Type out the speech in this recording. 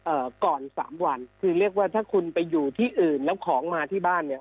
เอ่อก่อนสามวันคือเรียกว่าถ้าคุณไปอยู่ที่อื่นแล้วของมาที่บ้านเนี่ย